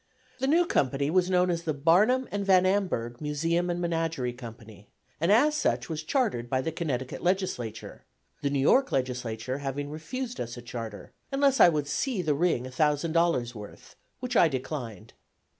The new company was known as the "Barnum and Van Amburgh Museum and Menagerie Company," and as such was chartered by the Connecticut Legislature, the New York Legislature having refused us a charter unless I would "see" the "ring" a thousand dollars' worth, which I declined.